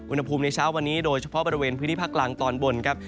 อุณหภูมิในเช้าวันนี้โดยเฉพาะบริเวณพื้นที่ภาคกลางตอนบนครับ